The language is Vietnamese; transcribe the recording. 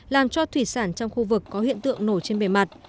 làm cho thủy sản trong khu vực có hiện tượng nổi trên bề mặt